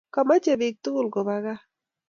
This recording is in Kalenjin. Komechi bik tugul ko ba gaa